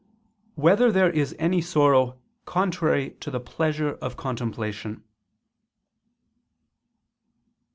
5] Whether There Is Any Sorrow Contrary to the Pleasure of Contemplation?